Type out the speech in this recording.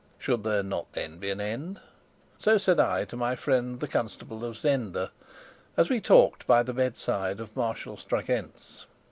Should there not then be an end? So said I to my friend the Constable of Zenda, as we talked by the bedside of Marshal Strakencz.